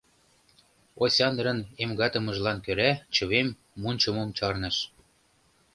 Осяндрын эмгатымыжлан кӧра чывем мунчымым чарныш.